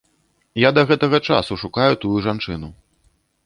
Я да гэтага часу шукаю тую жанчыну.